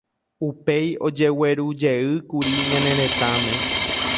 Upéi ojeguerujeýkuri ñane retãme.